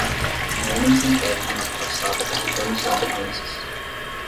Um homem sem-teto na calçada carregando seus pertences.